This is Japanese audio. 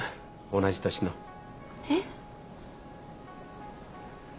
同じ年の。えっ？